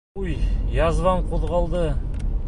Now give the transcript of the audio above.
Уй, язвам ҡуҙғалды!